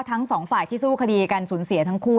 ทั้งสองฝ่ายที่สู้คดีกันสูญเสียทั้งคู่